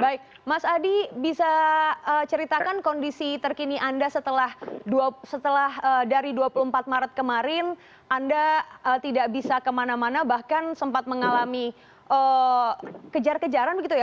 baik mas adi bisa ceritakan kondisi terkini anda setelah dari dua puluh empat maret kemarin anda tidak bisa kemana mana bahkan sempat mengalami kejar kejaran begitu ya